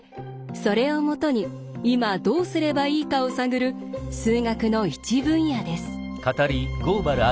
それをもとに今どうすればいいかを探る数学の一分野です。